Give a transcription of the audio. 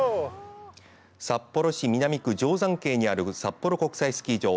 札幌市南区定山渓にある札幌国際スキー場。